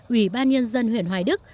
ủy ban nhân dân huyện hoài đức